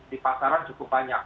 di pasaran cukup banyak